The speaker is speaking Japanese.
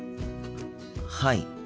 はい。